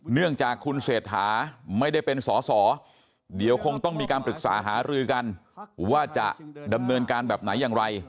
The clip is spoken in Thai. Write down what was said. เนื่องจากคุณเศรษฐาไม่ได้เป็นสอสอเดี๋ยวคงต้องมีการปรึกษาหารือกันว่าจะดำเนินการแบบไหนอย่างไร